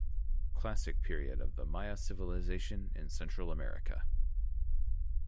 Classic Period of the Maya civilization in Central America.